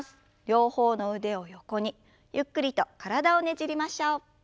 両方の腕を横にゆっくりと体をねじりましょう。